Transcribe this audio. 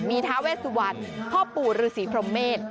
มีทาเวสุวรรณพ่อปู่ฤษีพรหมเมษ